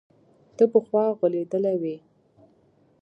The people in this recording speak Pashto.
ته پخوا غولېدلى وي.